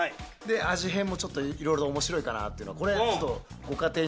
味変もいろいろと面白いかなっていうのはこれちょっと。